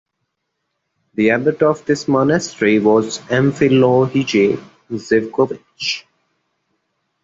The abbot of this monastery was Amfilohije Zivkovic.